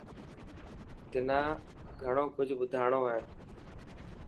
تنا گهڻيون ڪجهه مڍاڻو هي.